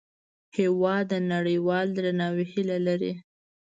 هېواد د نړیوال درناوي هیله لري.